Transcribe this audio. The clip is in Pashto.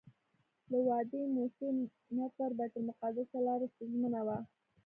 له وادي موسی نه تر بیت المقدسه لاره ستونزمنه وه.